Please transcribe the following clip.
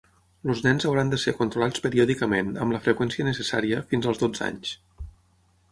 Els nens hauran de ser controlats periòdicament, amb la freqüència necessària, fins als dotze anys.